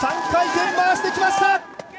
３回転、回してきました！